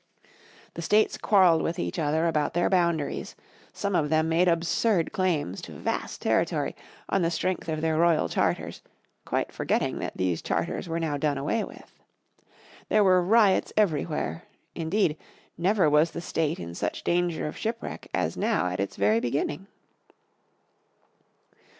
The states quarreled with each other about their boundaries, some of them made absurd claims to vast territory on the strength of their royal charters, quite forgetting that these charters were now done away with. There were riots everywhere, indeed, never was the State in such danger of shipwreck as now at its very beginning.